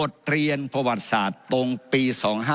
เรียนประวัติศาสตร์ตรงปี๒๕๖